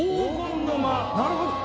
なるほど。